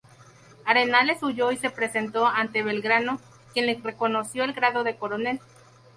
Arenales huyó y se presentó ante Belgrano, quien le reconoció el grado de coronel.